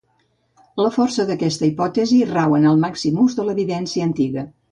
La força d'aquesta hipòtesi rau en el màxim ús de l'evidència antiga.